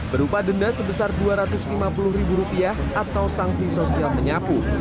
berupa denda sebesar dua ratus lima puluh ribu rupiah atau sanksi sosial menyapu